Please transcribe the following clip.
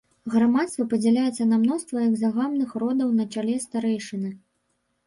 Грамадства падзяляецца на мноства экзагамных родаў на чале старэйшыны.